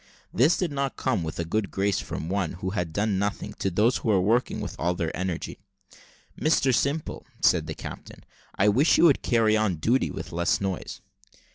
This did not come with a good grace from one, who had done nothing, to those who were working with all their energy. "Mr Simple," said the captain, "I wish you would carry on duty with less noise."